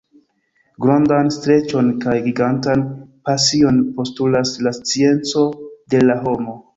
Grandan streĉon kaj gigantan pasion postulas la scienco de la homo.